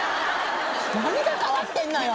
何が変わってんのよ。